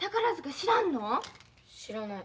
知らない。